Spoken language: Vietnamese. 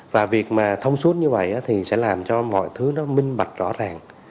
và việc mà thông suốt như vậy thì sẽ làm cho mọi thứ nó minh bạch rõ ràng